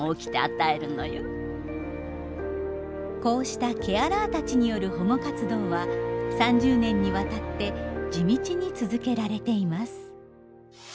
こうしたケアラーたちによる保護活動は３０年にわたって地道に続けられています。